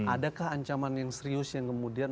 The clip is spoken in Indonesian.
adakah ancaman yang serius yang kemudian